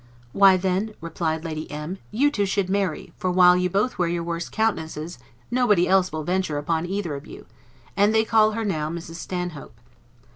Why then, replied Lady M y, you two should marry; for while you both wear your worst countenances, nobody else will venture upon either of you; and they call her now Mrs. Stanhope.